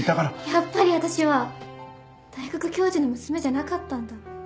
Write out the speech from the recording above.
やっぱり私は大学教授の娘じゃなかったんだ。